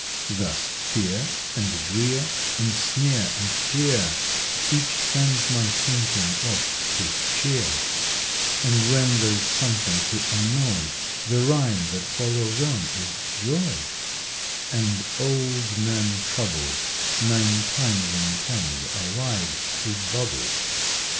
Thus "fear" and "drear" and "sneer" and "tear" Each sends my thinking off to "cheer"; And when there s something to annoy, The rhyme that follows on is "joy" And old man Trouble Nine times in ten s allied to "bubble."